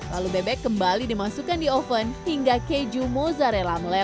lalu bebek kembali dimasukkan di oven hingga keju mozzarella mele